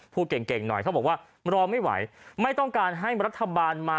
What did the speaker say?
เก่งเก่งหน่อยเขาบอกว่ารอไม่ไหวไม่ต้องการให้รัฐบาลมา